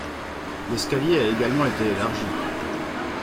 L'escalier a également été élargi.